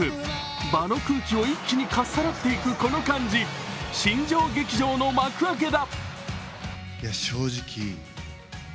場の空気を一気にかっさらっていくこの感じ新庄劇場の幕開けだ。